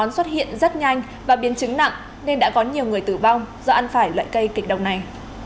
xuất hiện rất nhanh và biến chứng nặng nên đã có nhiều người tử vong do ăn phải loại cây kịch đồng này